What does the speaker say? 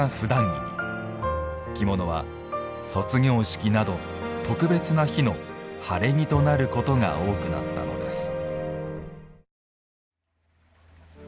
着物は卒業式など特別な日の晴れ着となることが多くなったのです。